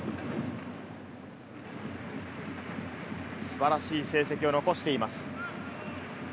素晴らしい成績を残しています。